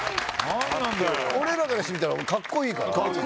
俺らからしてみたらカッコイイから。